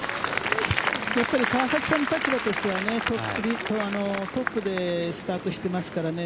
やっぱり川崎さんの立場としてはトップでスタートしてますからね